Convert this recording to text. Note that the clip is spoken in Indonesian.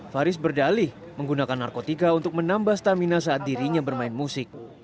faris berdalih menggunakan narkotika untuk menambah stamina saat dirinya bermain musik